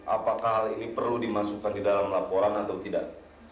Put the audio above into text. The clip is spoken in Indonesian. apakah hal ini perlu dimasukkan di dalam laporan atau tidak